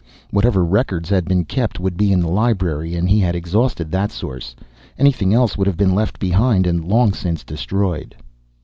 Whatever records had been kept would be in the library and he had exhausted that source. Anything else would have been left behind and long since destroyed.